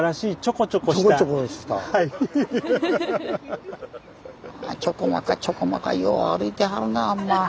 まあちょこまかちょこまかよう歩いてはるなあほんま。